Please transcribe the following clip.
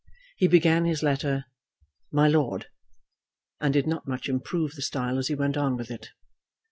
He began his letter, "My Lord," and did not much improve the style as he went on with it.